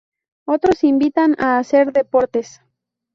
Otros invitan a hacer deportes.